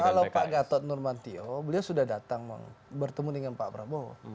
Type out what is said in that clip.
kalau pak gatot nurmantio beliau sudah datang bertemu dengan pak prabowo